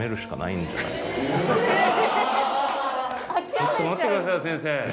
ちょっと待ってくださいよ先生。